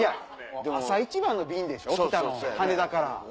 朝一番の便でしょ羽田から。